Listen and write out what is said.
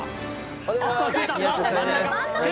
おはようございます。